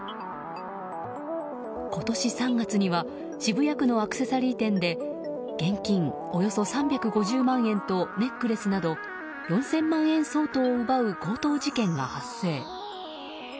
今年３月には渋谷区のアクセサリー店で現金およそ３５０万円とネックレスなど４０００万円相当を奪う強盗事件が発生。